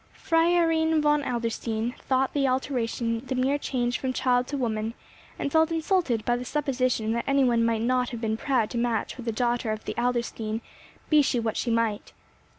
Freiherrinn von Adlerstein thought the alteration the mere change from child to woman, and felt insulted by the supposition that any one might not have been proud to match with a daughter of Adlerstein, be she what she might.